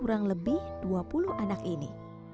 kurang lebih dua puluh anak ini